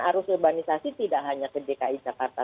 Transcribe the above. arus urbanisasi tidak hanya ke dki jakarta